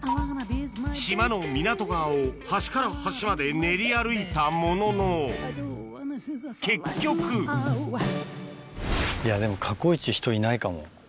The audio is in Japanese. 島の港側を端から端まで練り歩いたものの結局いやでも過去イチ人いないかも。